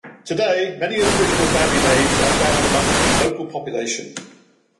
Today many of the original family names are found amongst the local population.